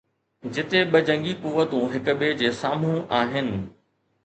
جتي ٻه جنگي قوتون هڪ ٻئي جي سامهون آهن.